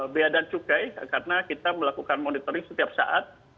bea dan cukai karena kita melakukan monitoring setiap saat